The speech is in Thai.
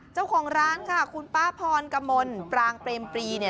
เจ้าของร้านค่ะคุณป้าพรกมลปรางเปรมปรีเนี่ย